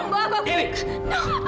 aku gak mau cerai sama kamu